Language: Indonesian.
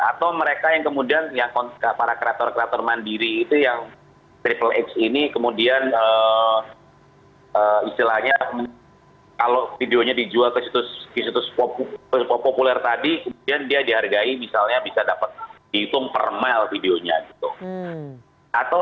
atau mereka yang kemudian yang para kreator kreator mandiri itu yang triple x ini kemudian istilahnya kalau videonya dijual ke situs populer tadi kemudian dia dihargai misalnya bisa dapat dihitung per mile videonya gitu